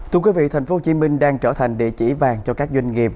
thưa quý vị thành phố hồ chí minh đang trở thành địa chỉ vàng cho các doanh nghiệp